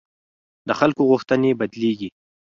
د خلکو غوښتنې بدلېږي